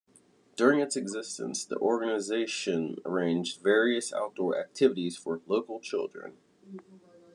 During its existence the organisation arranged various outdoor activities for local children.